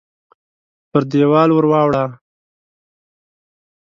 پر دېوال ورواړوه !